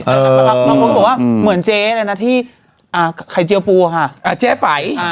เออเออมองบอกว่าเหมือนเจ๊อะไรนะที่อ่าไข่เจียวปูค่ะอ่าเจ๊ไฝ